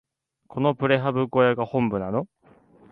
このプレハブ小屋が本部なの？